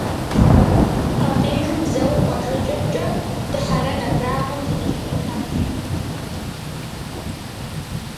Абдежым зэуэ къуажэкӀэмкӀэ дыхьэрэн абрагъуэм зыкъыщиӀэтащ.